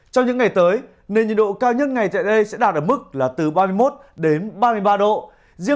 trong những ngày tới nền nhiệt độ cao nhất ngày tại đây sẽ đạt ở mức là từ ba mươi một đến ba mươi ba độ